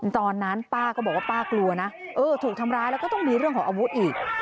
ตอนนั้นป้าก็บอกว่าป้ากลัวนะเออถูกทำร้ายแล้วก็ต้องมีเรื่องของอาวุธอีก